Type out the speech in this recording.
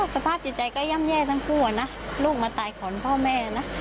สภาพจิตใจก็ย่ำแย่ทั้งคู่นะลูกมาตายขอนพ่อแม่นะ